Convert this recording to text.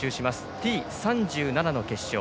Ｔ３７の決勝。